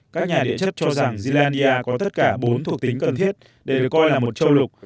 các nhà địa chất cho rằng zilania có tất cả bốn thuộc tính cần thiết để được coi là một châu lục